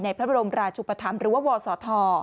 พระบรมราชุปธรรมหรือว่าวศธ